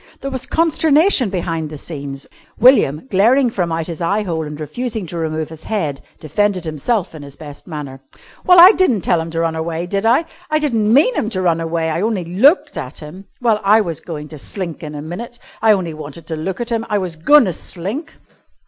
There was consternation behind the scenes. William, glaring from out his eye hole and refusing to remove his head, defended himself in his best manner. "Well I di'n't tell him to run away, did I? I di'n't mean him to run away. I only looked at him. Well, I was goin' to slink in a minit. I only wanted to look at him. I was goin' to slink."